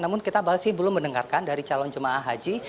namun kita masih belum mendengarkan dari calon jemaah haji